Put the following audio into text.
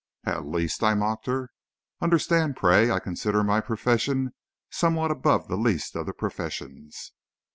"At least!" I mocked her; "understand, pray, I consider my profession somewhat above the least of the professions!"